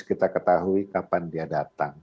kita ketahui kapan dia datang